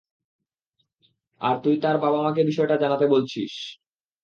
আর তুই তার বাবা-মাকে বিষয়টা জানাতে বলছিস!